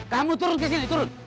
kamu turun ke sini turun